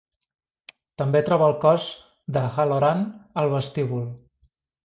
També troba el cos de Hallorann al vestíbul.